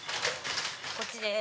こっちです。